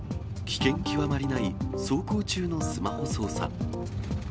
危険極まりない、走行中のスマホ操作。